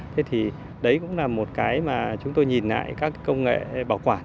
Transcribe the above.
thế thì đấy cũng là một cái mà chúng tôi nhìn lại các công nghệ bảo quản